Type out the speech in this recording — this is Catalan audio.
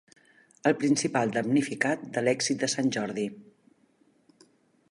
El principal damnificat de l'èxit de Sant Jordi.